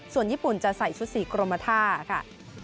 ส่วนญี่ปุ่นจะใส่ชุดสีกรมท่าค่ะ